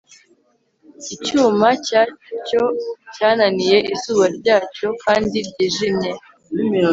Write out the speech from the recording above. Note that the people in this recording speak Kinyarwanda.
icyuma cyacyo cyananiye izuba ryacyo kandi ryijimye